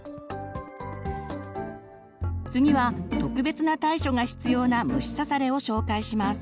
次は特別な対処が必要な虫刺されを紹介します。